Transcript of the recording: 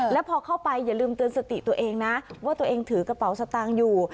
แล้วพอเข้าไปอย่าลืมเตือนสติตัวเองนะว่าตัวเองถือกระเป๋าสตางค์อยู่